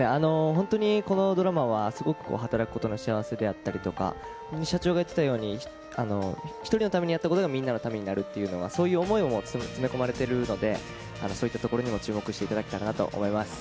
本当にこのドラマは、すごく働くことの幸せであったりとか、社長が言ってたように、一人のためにやったことがみんなのためになるっていうのが、そういう思いを詰め込まれてるので、そういったところにも注目していただけたらなと思います。